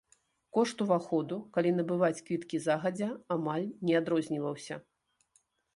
Кошт уваходу, калі набываць квіткі загадзя, амаль не адрозніваўся.